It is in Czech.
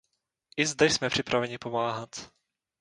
I zde jsme připraveni pomáhat.